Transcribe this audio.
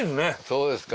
そうですか？